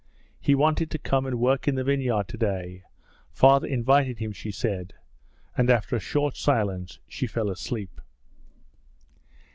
'He wanted to come and work in the vineyard to day: father invited him,' she said, and after a short silence she fell asleep.